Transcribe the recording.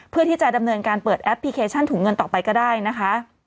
เพื่อที่จะดำเนินการเปิดแอปพลิเคชันถุงเงินต่อไปก็ได้นะคะ